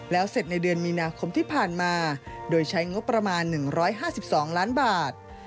แล้วเสร็จในเดือนมีนาคมที่ผ่านมาโดยใช้งบประมาณ๑๕๒ล้านบาท